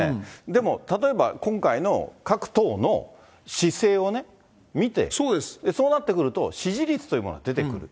でも、例えば今回の各党の姿勢を見て、そうなってくると、支持率というものが出てくる。